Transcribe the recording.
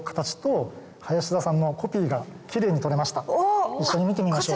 そして一緒に見てみましょう。